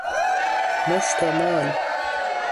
مشت و مال